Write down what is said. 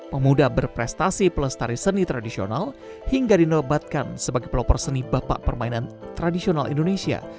pemuda berprestasi pelestari seni tradisional hingga dinobatkan sebagai pelopor seni bapak permainan tradisional indonesia